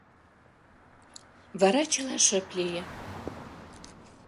Вара чыла шып лие.